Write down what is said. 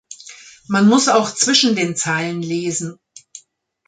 Man muss auch zwischen den Zeilen lesen.